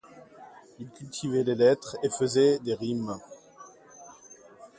Il cultivait les lettres et faisait des rimes.